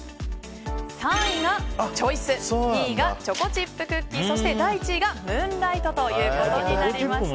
３位がチョイス２位がチョコチップクッキーそして第１位がムーンライトとなりました。